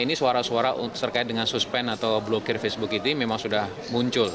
karena ini suara suara terkait dengan suspend atau blockade facebook ini memang sudah muncul